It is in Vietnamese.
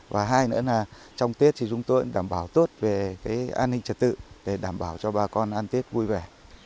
và hai nữa là trong tết thì chúng tôi cũng đảm bảo tốt về cái an ninh trật tự để đảm bảo cho bà con ăn tết vui vẻ